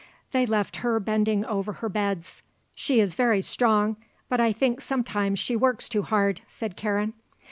They left her bending again over her beds. "She is very strong, but I think sometimes she works too hard," said Karen.